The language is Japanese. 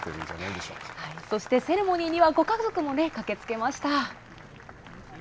そしてセレモニーには、ご家族も駆けつけました。